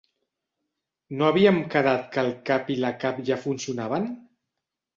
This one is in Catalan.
No havíem quedat que el cap i la cap ja funcionaven?